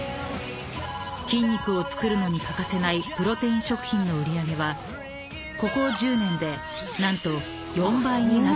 ［筋肉をつくるのに欠かせないプロテイン食品の売り上げはここ１０年で何と］